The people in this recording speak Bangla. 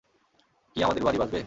কি আমাদের বাড়ি বাঁচবে?